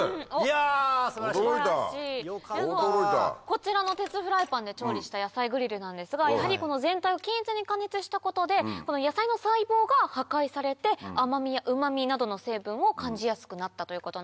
こちらの鉄フライパンで調理した野菜グリルなんですがやはりこの全体を均一に加熱したことで野菜の細胞が破壊されて甘味やうま味などの成分を感じやすくなったということなんですね。